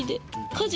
家事。